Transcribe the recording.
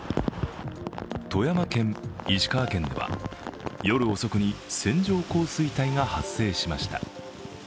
富山県、石川県では、夜遅くに線状降水帯が発生しました。